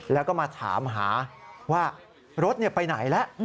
แล้วก็มาถามหาว่ารถไปไหนแล้ว